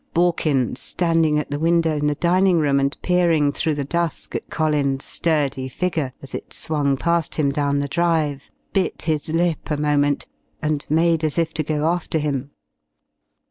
Borkins, standing at the window in the dining room and peering through the dusk at Collins' sturdy figure as it swung past him down the drive, bit his lip a moment, and made as if to go after him.